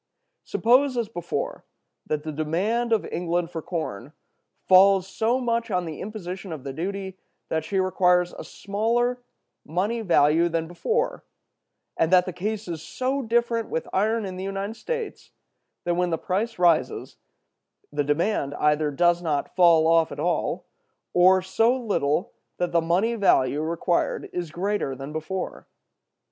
Suppose, as before, that the demand of England for corn falls off so much on the imposition of the duty that she requires a smaller money value than before, but that the case is so different with iron in the United States that when the price rises the demand either does not fall off at all, or so little that the money value required is greater than before.